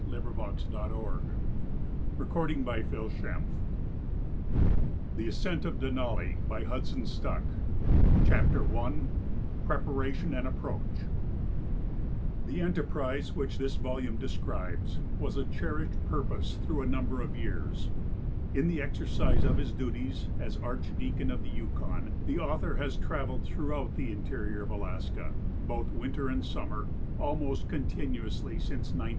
Denali (Mt. McKinley) End of volume THE ASCENT OF DENALI CHAPTER I PREPARATION AND APPROACH The enterprise which this volume describes was a cherished purpose through a number of years. In the exercise of his duties as Archdeacon of the Yukon, the author has travelled throughout the interior of Alaska, both winter and summer, almost continuously since 1904.